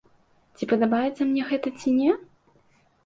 Ці падабаецца мне гэта ці не?